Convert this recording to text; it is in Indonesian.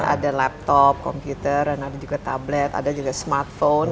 ada laptop komputer dan ada juga tablet ada juga smartphone